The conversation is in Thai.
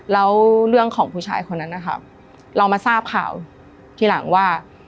แล้วเรื่องของผู้ชายคนนั้นนะคะเรามาทราบข่าวทีหลังว่า